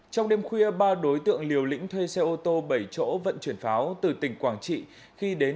trong đêm khuya ba đối tượng liều lĩnh thuê xe ô tô bảy chỗ vận chuyển pháo từ tỉnh quảng trị khi đến